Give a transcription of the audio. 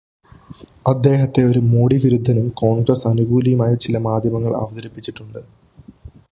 അദ്ദേഹത്തെ ഒരു മോഡി വിരുദ്ധനും കോൺഗ്രസ് അനുകൂലിയുമായി ചില മാധ്യമങ്ങൾ അവതരിപ്പിച്ചിട്ടുണ്ട്.